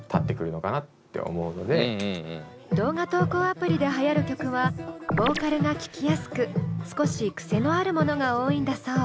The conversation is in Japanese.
動画投稿アプリではやる曲はボーカルが聴きやすく少しクセのあるものが多いんだそう。